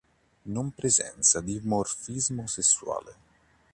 Non presenta dimorfismo sessuale.